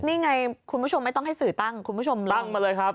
นี่ไงคุณผู้ชมไม่ต้องให้สื่อตั้งคุณผู้ชมเลยตั้งมาเลยครับ